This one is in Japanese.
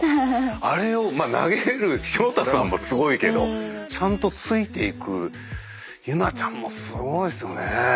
あれを投げれる潮田さんもすごいけどちゃんとついていくユナちゃんもすごいですよね。